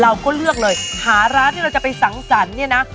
เราก็เลือกเลยหาร้านที่เราจะไปสังสรรค์เนี่ยนะ